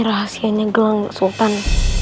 rahasianya gelang sultan